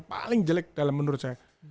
paling jelek dalam menurut saya